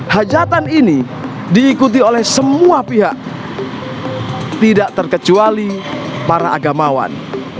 hajatan ini diikuti oleh semua pihak tidak terkecuali para agamawan